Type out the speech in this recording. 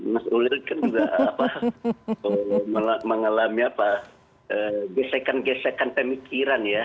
mas ulir kan juga mengalami gesekan gesekan pemikiran ya